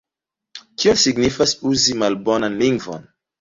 Kion signifas uzi malbonan lingvon?